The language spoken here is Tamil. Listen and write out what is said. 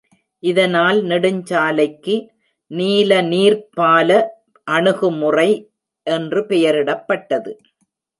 இதனால் நெடுஞ்சாலைக்கு‚ நீல நீர்ப் பால அணுகுமுறை என்று பெயரிடப்பட்டது.